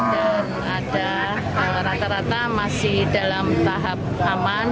dan ada rata rata masih dalam tahap aman